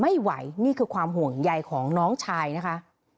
ในห้องอ่อนใจความห่วงใหญ่ของน้องชายนะค่ะ